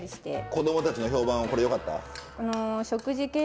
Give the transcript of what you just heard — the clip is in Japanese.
子供たちの評判はこれよかった？